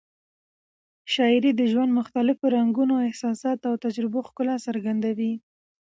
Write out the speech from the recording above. شاعري د ژوند مختلفو رنګونو، احساساتو او تجربو ښکلا څرګندوي.